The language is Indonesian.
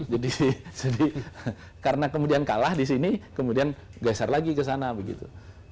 jadi karena kemudian kalah disini kemudian geser lagi kesana begitu